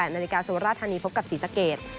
๑๘นาฬิกาสวรรษฐานีพบกับศรีสะเกษ